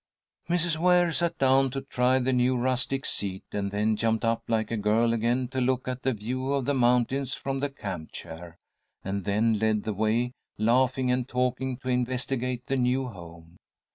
Mrs. Ware sat down to try the new rustic seat, and then jumped up like a girl again to look at the view of the mountains from the camp chair, and then led the way, laughing and talking, to investigate the new home.